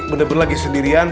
bener bener lagi sendirian